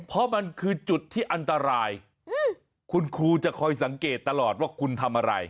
เพราะมันคือจุดที่อันตรายคุณครูจะคอยสังเกตตลอดว่าคุณทำอะไร